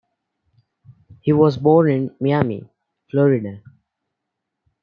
He was born in Miami, Florida.